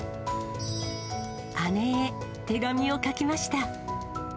姉へ手紙を書きました。